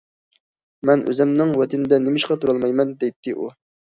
» مەن ئۆزۈمنىڭ ۋەتىنىدە نېمىشقا تۇرالمايمەن؟« دەيتتى ئۇ.